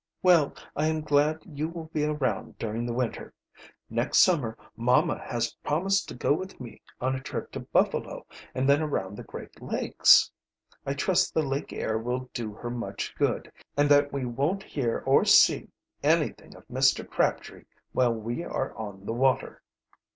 Well, I am glad you will be around during the winter. Next summer mamma has promised to go with me on a trip to Buffalo and then around the Great Lakes. I trust the lake air will do her much good, and that we won't hear or see anything of Mr. Crabtree while we are on the water."